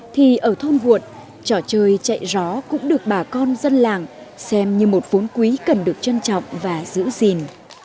thì ở thôn muộn trò chơi chạy gió cũng được bà con dân làng xem như một vốn quý cần được trân trọng và giữ gìn